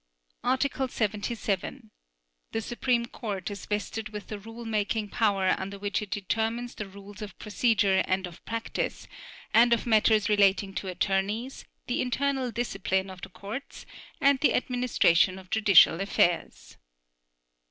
Article 77. The Supreme Court is vested with the rule making power under which it determines the rules of procedure and of practice, and of matters relating to attorneys, the internal discipline of the courts and the administration of judicial affairs.